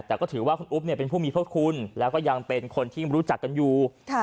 แต่ก็ถือว่าคุณอุ๊บเป็นผู้มีพระคุณแล้วก็ยังเป็นคนที่รู้จักกันอยู่